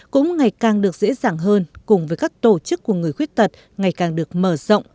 cũng ngày càng được dễ dàng hơn cùng với các tổ chức của người khuyết tật ngày càng được mở rộng